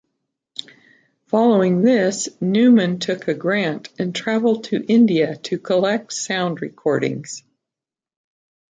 Following this, Newman took a grant and travelled to India to collect sound recordings.